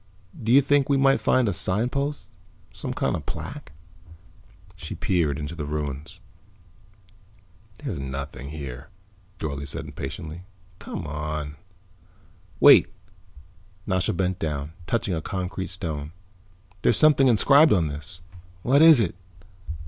"Do you think we might find a signpost? Some kind of plaque?" She peered into the ruins. "There's nothing there," Dorle said impatiently. "Come on." "Wait." Nasha bent down, touching a concrete stone. "There's something inscribed on this." "What is it?"